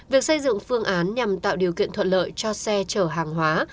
việc xây dựng phương án nhằm tạo điều kiện thuận lợi cho xe chở hàng hóa